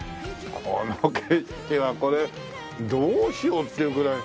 この景色はこれどうしようっていうぐらい。